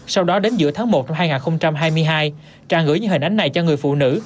sau đó đến giữa tháng một năm hai nghìn hai mươi hai trang gửi những hình ảnh này cho người phụ nữ